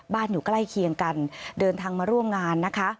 อยู่ใกล้เคียงกันเดินทางมาร่วมงานนะคะ